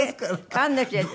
神主です。